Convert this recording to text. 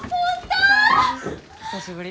久しぶり。